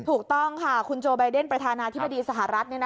ถูกต้องค่ะคุณโจไบเดนประธานาธิบดีสหรัฐ